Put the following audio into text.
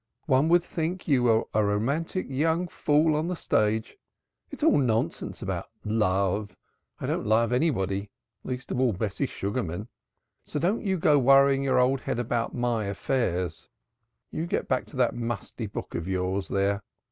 One would think you were a romantic young fool on the stage. It's all nonsense about love. I don't love anybody, least of all Bessie Sugarman, so don't you go worrying your old head about my affairs. You get back to that musty book of yours there.